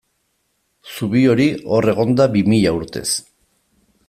Zubi hori hor egon da bi mila urtez.